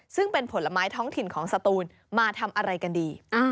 ซึ่งเป็นผลไม้ท้องถิ่นของสตูนมาทำอะไรกันดี